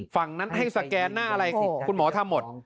ฝั่งนั้นให้สแกนหน้าอะไรคุณหมอทำหมด